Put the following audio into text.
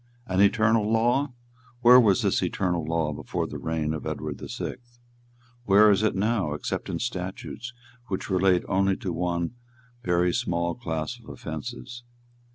"An eternal law! Where was this eternal law before the reign of Edward the Sixth? Where is it now, except in statutes which relate only to one very small class of offences.